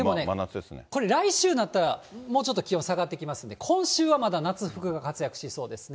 でもね、来週になったら、もうちょっと気温下がってきますので、今週はまだ夏服が活躍しそうですね。